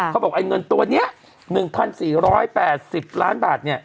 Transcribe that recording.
เขาบอกไอ้เงินตัวนี้๑๔๘๐ล้านบาทเนี่ย